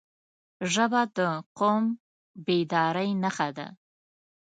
ژبه د قوم بیدارۍ نښه ده